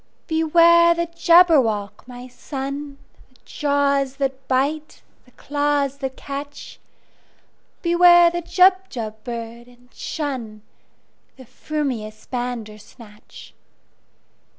"Beware the Jabberwock, my son! The jaws that bite, the claws that catch! Beware the Jubjub bird, and shunThe frumious Bandersnatch!"